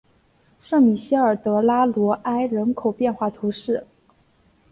圣米歇尔德拉罗埃人口变化图示